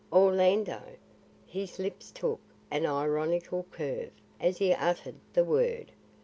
"Orlando?" His lips took an ironical curve, as he uttered the word.